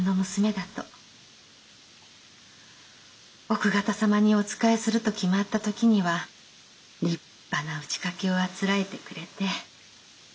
奥方様にお仕えすると決まった時には立派な打ち掛けをあつらえてくれて。